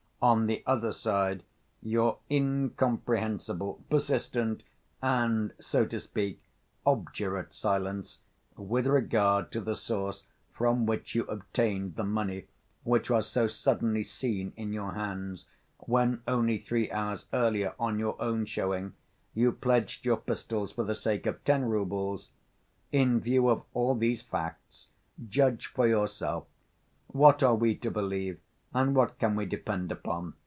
On the other side your incomprehensible, persistent, and, so to speak, obdurate silence with regard to the source from which you obtained the money which was so suddenly seen in your hands, when only three hours earlier, on your own showing, you pledged your pistols for the sake of ten roubles! In view of all these facts, judge for yourself. What are we to believe, and what can we depend upon?